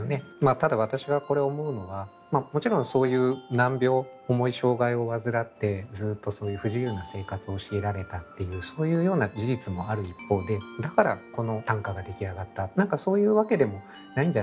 ただ私がこれ思うのはもちろんそういう難病重い障害を患ってずっとそういう不自由な生活を強いられたっていうそういうような事実もある一方でだからこの短歌が出来上がった何かそういうわけでもないんじゃないのかな。